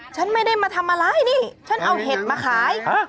ฉันไม่ได้มาทำอะไรนี่ฉันเอาเห็ดมาขาย